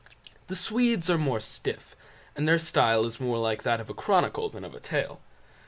The Swedes are more stiff, and their style is more like that of a chronicle than a tale.